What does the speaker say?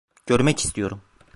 Görmek istiyorum.